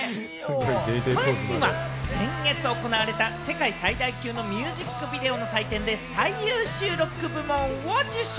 マネスキンは先月行われた世界最大級のミュージックビデオの祭典で最優秀ロック部門を受賞。